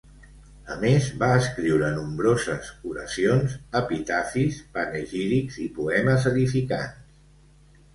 A més, va escriure nombroses, oracions, epitafis, panegírics, i poemes edificants.